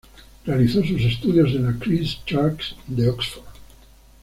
Realizó sus estudios en la Christ Church de Oxford.